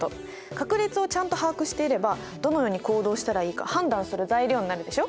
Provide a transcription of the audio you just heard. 確率をちゃんと把握していればどのように行動したらいいか判断する材料になるでしょ。